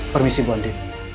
permisi bu andi